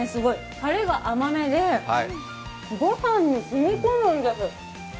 たれが甘めで、ご飯にしみ込むんです。